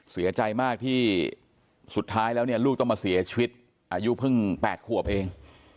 เสียใจมากที่สุดท้ายแล้วเนี่ยลูกต้องมาเสียชีวิตอายุเพิ่ง๘ขวบเอง